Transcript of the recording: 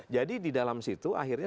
jadi di dalam situ akhirnya